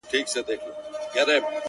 زغره د همت په تن او هیلي یې لښکري دي,